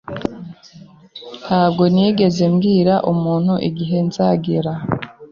Ntabwo nigeze mbwira umuntu igihe nzagera.